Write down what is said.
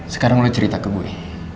sekarang lo cerita ke gue